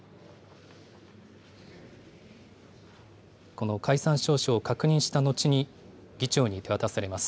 この解散詔書を確認したのちに、議長に手渡されます。